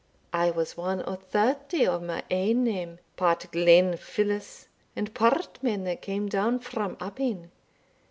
I was ane o' thirty o' my ain name part Glenfinlas, and part men that came down frae Appine.